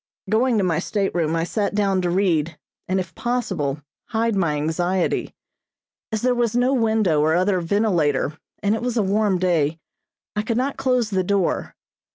[Illustration: FIVE FINGER RAPIDS.] Going to my stateroom I sat down to read, and, if possible, hide my anxiety. As there was no window or other ventilator, and it was a warm day, I could not close the door.